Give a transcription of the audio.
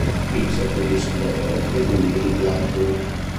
Vinse tre dischi d'oro ed uno di platino.